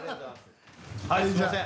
はい、すみません。